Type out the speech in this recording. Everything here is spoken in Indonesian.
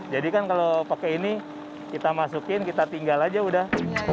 kan kalau pakai ini kita masukin kita tinggal aja udah